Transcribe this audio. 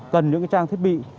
cần những trang thiết bị